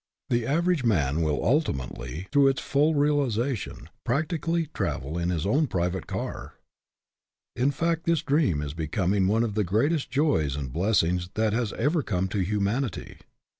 The average man will ultimately, through its full realization, practically travel in his own private car. In fact this dream is becom ing one of the greatest joys and blessings that has ever come to humanity.